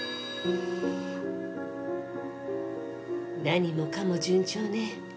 何もかも順調ね。